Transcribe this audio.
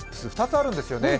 ２つあるんですよね。